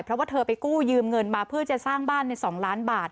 เพราะว่าเธอไปกู้ยืมเงินมาเพื่อจะสร้างบ้านใน๒ล้านบาท